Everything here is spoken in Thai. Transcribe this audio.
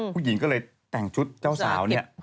ผู้หญิงก็เลยแต่งชุดเจ้าสาวเนี่ย